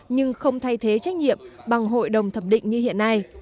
nhưng không thay thế trách nhiệm bằng hội đồng thẩm định như hiện nay